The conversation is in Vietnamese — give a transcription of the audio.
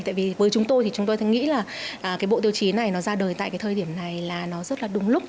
tại vì với chúng tôi thì chúng tôi nghĩ là cái bộ tiêu chí này nó ra đời tại cái thời điểm này là nó rất là đúng lúc